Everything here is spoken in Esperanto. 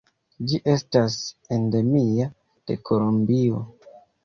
Ĝi estas endemia de Kolombio.